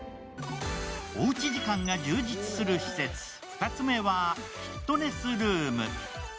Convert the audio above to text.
おうち時間が充実する施設、２つ目はフィットネスルーム。